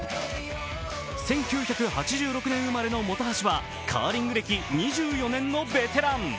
１９８６年生まれの本橋はカーリング歴２４年のベテラン。